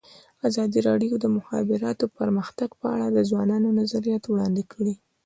ازادي راډیو د د مخابراتو پرمختګ په اړه د ځوانانو نظریات وړاندې کړي.